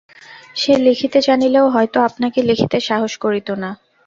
সে লিখিতে জানিলেও হয়তো আপনাকে লিখিতে সাহস করিত না।